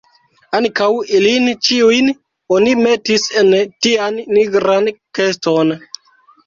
Ankaŭ ilin ĉiujn oni metis en tian nigran keston.